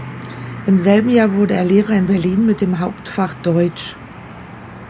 Im selben Jahr wurde er Lehrer in Berlin mit dem Hauptfach Deutsch.